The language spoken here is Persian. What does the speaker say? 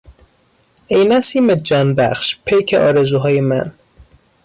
ای نسیم جانبخش پیک آرزوهای من